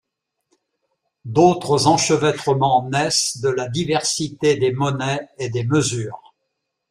D’autres enchevêtrements naissent de la diversité des monnaies et des mesures.